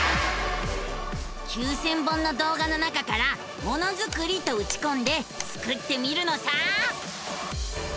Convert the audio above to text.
９，０００本の動画の中から「ものづくり」とうちこんでスクってみるのさ！